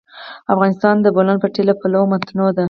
افغانستان د د بولان پټي له پلوه متنوع دی.